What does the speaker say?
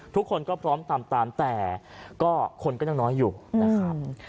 ทุกคนก็พร้อมทำตามแต่ก็คนก็ยังน้อยอยู่นะครับ